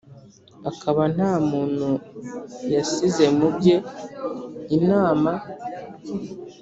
akaba nta muntu yasize mu bye inama